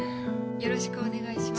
よろしくお願いします。